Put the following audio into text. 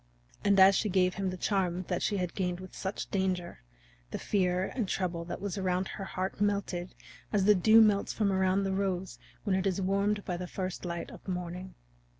And as she gave him the charm that she had gained with such danger, the fear and trouble that was around her heart melted as the dew melts from around the rose when it is warmed by the first light of the morning.